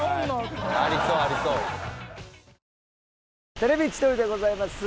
『テレビ千鳥』でございます。